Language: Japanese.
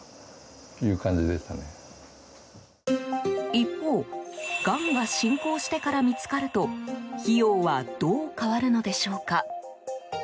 一方、がんが進行してから見つかると費用はどう変わるのでしょうか。